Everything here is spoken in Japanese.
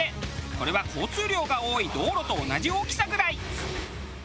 これは交通量が多い道路と同じ大きさぐらい。